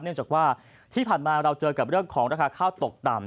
เนื่องจากว่าที่ผ่านมาเราเจอกับเรื่องของราคาข้าวตกต่ำ